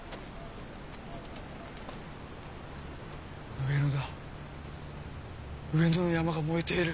上野だ上野の山が燃えている！